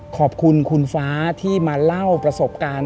ขอบคุณคุณฟ้าที่มาเล่าประสบการณ์